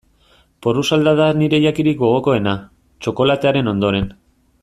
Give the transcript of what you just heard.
Porrusalda da nire jakirik gogokoena, txokolatearen ondoren.